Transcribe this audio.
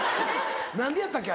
何でやったっけ？